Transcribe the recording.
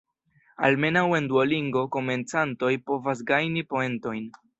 Almenaŭ en Duolingo, komencantoj povas gajni poentojn.